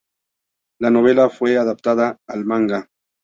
La novela fue adaptada al manga.